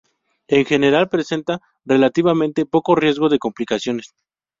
En general presenta relativamente poco riesgo de complicaciones.